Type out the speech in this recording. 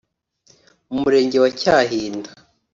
mu Murenge wa Cyahinda